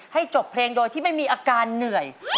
จบเพลงโดยที่ไม่มีอาการเหนื่อย